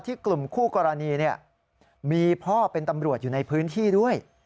กลุ่มคู่กรณีมีพ่อเป็นตำรวจอยู่ในพื้นที่ด้วย